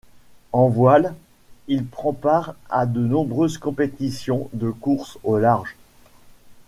En voile, il prend part à de nombreuses compétitions de course au large.